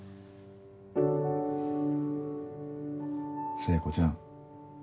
聖子ちゃん